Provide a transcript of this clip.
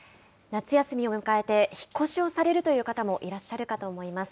夏休みを迎えて、引っ越しをされるという方もいらっしゃるかと思います。